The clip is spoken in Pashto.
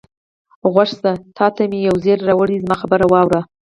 غوږ شه، تا ته مې یو زېری راوړی دی، زما خبره واورئ.